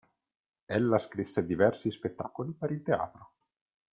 Ella scrisse diversi spettacoli per il teatro.